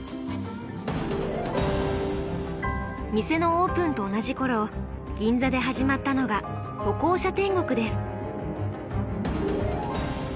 店のオープンと同じ頃銀座で始まったのが歩行者天国です。